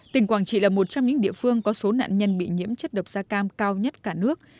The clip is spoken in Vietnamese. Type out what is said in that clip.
tỉnh quảng trị là một trong những địa phương có số nạn nhân bị nhiễm chất độc da cam cao nhất cả nước